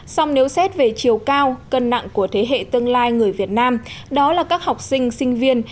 song nếu xét về chiều cao cân nặng của thế hệ tương lai người việt nam đó là các học sinh sinh viên